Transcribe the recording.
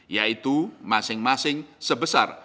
yaitu masing masing sebesar